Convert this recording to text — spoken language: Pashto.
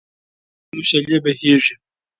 د وینو شېلې بهېږي.